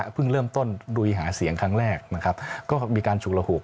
เริ่มต้นลุยหาเสียงครั้งแรกนะครับก็มีการฉุกระหุก